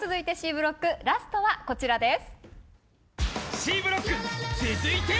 Ｃブロックラストはこちらです。